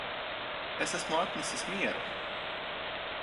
Es esmu atnesis mieru